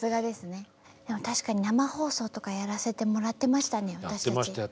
でも確かに生放送とかやらせてもらってましたね私たち。